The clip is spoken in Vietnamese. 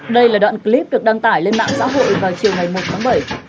đây là đoạn clip được đăng tải lên mạng xã hội vào chiều ngày một tháng bảy